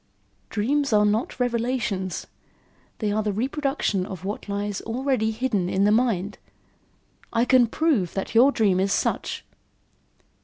"Dreams are not revelations; they are the reproduction of what already lies hidden in the mind. I can prove that your dream is such."